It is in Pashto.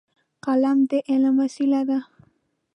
قلم د علم وسیله ده.